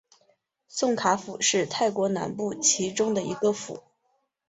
宋卡府是泰国南部其中的一个府。